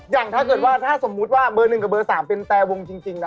อย่างถ้าเกิดว่าถ้าสมมุติว่าเบอร์๑กับเบอร์๓เป็นแต่วงจริงนะ